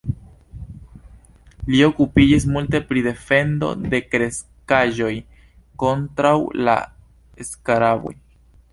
Li okupiĝis multe pri defendo de kreskaĵoj kontraŭ la skaraboj.